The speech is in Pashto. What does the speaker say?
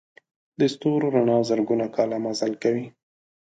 د ستورو رڼا زرګونه کاله مزل کوي.